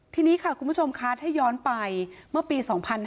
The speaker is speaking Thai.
ทีนี้ค่ะคุณผู้ชมคะถ้าย้อนไปเมื่อปี๒๕๕๙